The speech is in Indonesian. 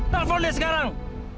telepon dia sekarang